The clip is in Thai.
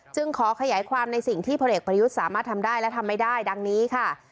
ขอขยายความในสิ่งที่พลเอกประยุทธ์สามารถทำได้และทำไม่ได้ดังนี้ค่ะ